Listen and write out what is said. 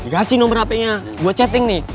gak sih nomer hp nya gue chatting nih